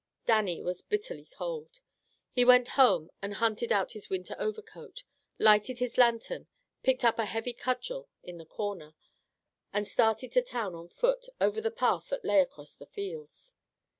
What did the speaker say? Dannie was bitterly cold. He went home, and hunted out his winter overcoat, lighted his lantern, picked up a heavy cudgel in the corner, and started to town on foot over the path that lay across the fields.